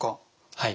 はい。